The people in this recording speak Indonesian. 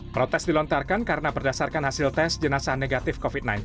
protes dilontarkan karena berdasarkan hasil tes jenazah negatif covid sembilan belas